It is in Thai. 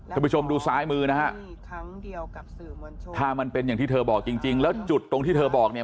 ผู้ชมดูซ้ายมือนะฮะถ้ามันเป็นอย่างที่เธอบอกจริงแล้วจุดตรงที่เธอบอกเนี่ย